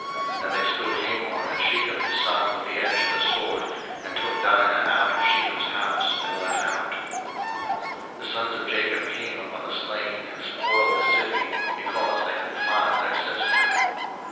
01:034:026 And they slew Hamor and Shechem his son with the edge of the sword, and took Dinah out of Shechem's house, and went out. 01:034:027 The sons of Jacob came upon the slain, and spoiled the city, because they had defiled their sister.